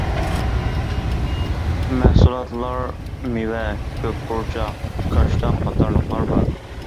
مەھسۇلاتلار مېۋە، كۆك پۇرچاق، كاشتان قاتارلىقلار بار.